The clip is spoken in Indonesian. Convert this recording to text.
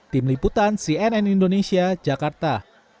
tim liputan cnn indonesia jakarta